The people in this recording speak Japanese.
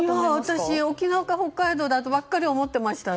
私、沖縄か北海道だとばかり思ってましたよ。